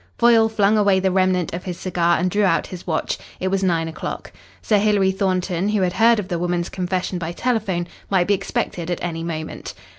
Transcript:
Foyle flung away the remnant of his cigar, and drew out his watch. It was nine o'clock. Sir Hilary Thornton, who had heard of the woman's confession by telephone, might be expected at any moment.